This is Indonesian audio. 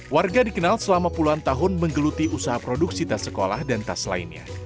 warga dikenal selama puluhan tahun menggeluti usaha produksi tas sekolah dan tas lainnya